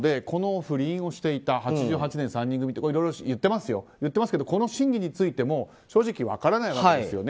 この不倫をしていた８８年３人組とかいろいろ言っていますけどこの真偽についても正直分からないわけです。